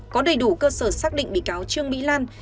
có đầy đủ cơ sở xác định bị cáo trương mỹ lan